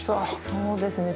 そうですね。